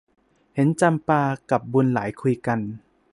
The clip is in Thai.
เห็นจำปากับบุญหลายคุยกัน